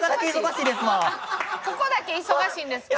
ここだけ忙しいんですか？